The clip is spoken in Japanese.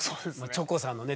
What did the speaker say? チョコさんのね